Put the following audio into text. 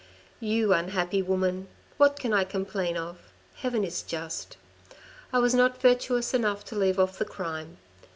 You unhappy woman. What can I complain of ? Heaven is just. I was not virtuous enough to leave off the crime.